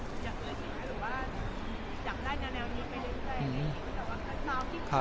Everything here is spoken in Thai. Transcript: จำได้แนวนี้ไปเรียนใจ